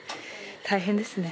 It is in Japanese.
大変ですね。